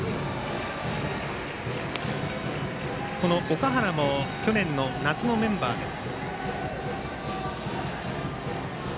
岳原も去年の夏のメンバーです。